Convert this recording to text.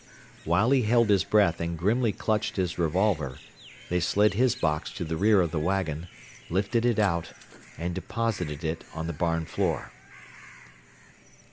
While he held his breath and grimly clutched his revolver, they slid his box to the rear of the wagon, lifted it out, and deposited it on the barn floor.